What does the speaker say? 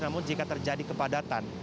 namun jika terjadi kepadatan